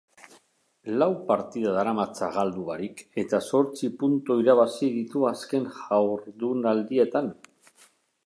Lau partida daramatza galdu barik eta zortzi puntu irabazi ditu azken jardunaldietan.